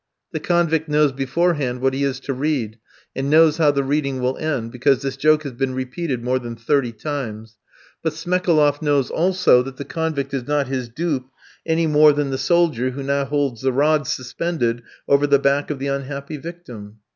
The convict knows beforehand what he is to read, and knows how the reading will end, because this joke has been repeated more than thirty times; but Smekaloff knows also that the convict is not his dupe any more than the soldier who now holds the rods suspended over the back of the unhappy victim.